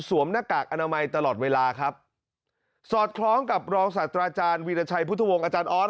หน้ากากอนามัยตลอดเวลาครับสอดคล้องกับรองศาสตราอาจารย์วีรชัยพุทธวงศ์อาจารย์ออส